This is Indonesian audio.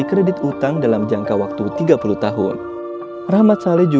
kepada p lugisnya tak berjalan tak hi